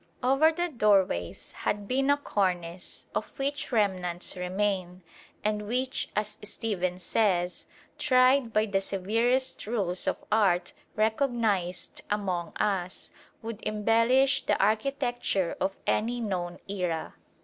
Over the doorways had been a cornice of which remnants remain, and which, as Stephens says, "tried by the severest rules of art recognised among us, would embellish the architecture of any known era."